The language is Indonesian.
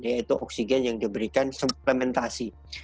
yaitu oksigen yang diberikan suplementasi